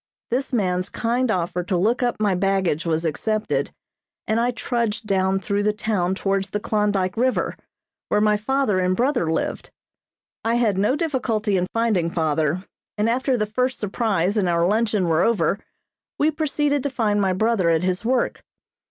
This man's kind offer to look up my baggage was accepted, and I trudged down through the town towards the Klondyke River, where my father and brother lived. I had no difficulty in finding father, and after the first surprise and our luncheon were over we proceeded to find my brother at his work.